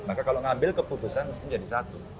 maka kalau ngambil keputusan mesti jadi satu